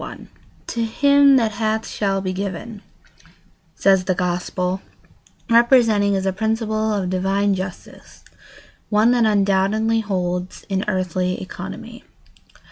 ] "To him that hath shall be given," says the Gospel, representing as a principle of divine justice one that undoubtedly holds in earthly economy.